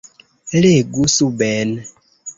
Legu suben.